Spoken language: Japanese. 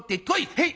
「へい！